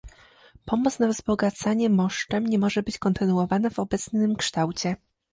Pomoc na wzbogacanie moszczem nie może być kontynuowana w obecnym kształcie